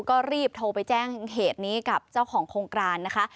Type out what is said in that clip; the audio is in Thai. ก็รีบโทรไปแจ้งเหตุนี้กับเจ้าของโครงการนะคะ